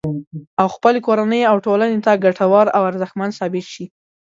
او خپلې کورنۍ او ټولنې ته ګټور او ارزښتمن ثابت شي